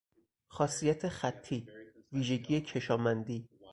خاصیت خطی، ویژگی کشامندی